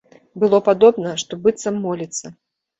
Было падобна, што быццам моліцца.